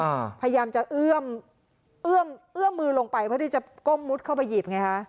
พยายามจะเอื้อมเอื้อมเอื้อมมือลงไปเพื่อที่จะก้มมุดเข้าไปหยิบไงฮะ